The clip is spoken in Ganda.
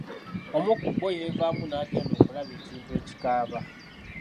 Omu kubbo yeevaamu nagenda okulaba ekintu ekikaaba.